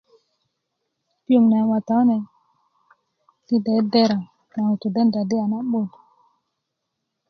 piyoŋ na mamata kune ti dedera a ŋutu' denda di a na'but